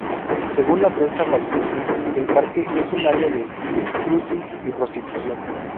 Según la prensa brasileña el parque es un área de cruising y prostitución.